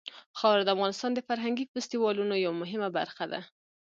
خاوره د افغانستان د فرهنګي فستیوالونو یوه مهمه برخه ده.